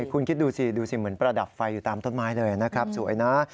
คุณคิดดูสิดูสิเหมือนประดับไฟอยู่ตามต้นไม้เลยนะครับสวยนะ